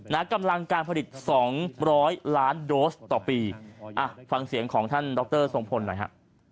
กำลังการผลิตสองร้อยล้านโดสต่อปีอ่ะฟังเสียงของท่านดรทรงพลหน่อยฮะ